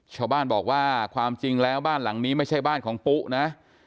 ชาวบ้านบอกว่าความจริงแล้วบ้านหลังนี้ไม่ใช่บ้านของปุ๊นะ